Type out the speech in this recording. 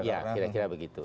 ya kira kira begitu